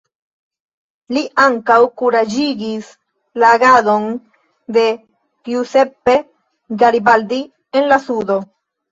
Li ankaŭ kuraĝigis la agadon de Giuseppe Garibaldi en la sudo.